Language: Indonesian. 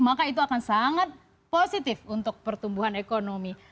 maka itu akan sangat positif untuk pertumbuhan ekonomi